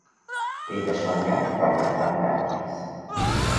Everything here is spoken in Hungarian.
Édesanyja Frangepán Beatrix.